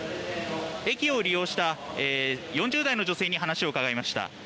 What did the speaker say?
駅を利用した４０代の女性に話を伺いました。